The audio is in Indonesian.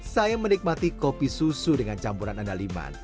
saya menikmati kopi susu dengan campuran andaliman